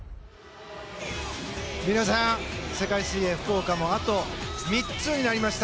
皆さん、世界水泳福岡もあと３つになりました。